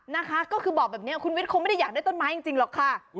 นะคะก็คือบอกแบบนี้คุณวิทย์คงไม่ได้อยากได้ต้นไม้จริงหรอกค่ะ